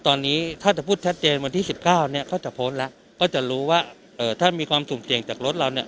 ตอนนี้ถ้าจะพูดชัดเจนวันที่๑๙เนี่ยเขาจะโพสต์แล้วก็จะรู้ว่าถ้ามีความสุ่มเสี่ยงจากรถเราเนี่ย